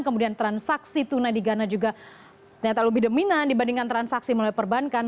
kemudian transaksi tunai di ghana juga ternyata lebih dominan dibandingkan transaksi melalui perbankan